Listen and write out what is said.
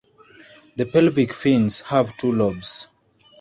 The pelvic fins have two lobes.